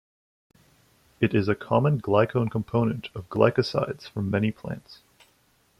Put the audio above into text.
It is a common glycone component of glycosides from many plants.